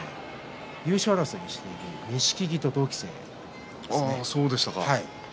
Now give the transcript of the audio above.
優勝争いをしている錦木と同期生です。